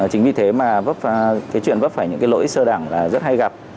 chính vì thế mà cái chuyện vấp phải những cái lỗi sơ đẳng là rất hay gặp